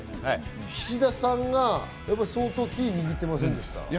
菱田さんがキー、握ってませんでした。